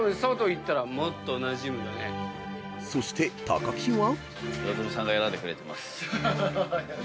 ［そして木は］